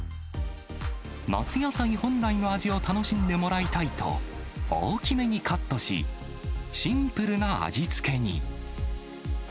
夏野菜本来の味を楽しんでもらいたいと、大きめにカットし、シンプルな味付けに。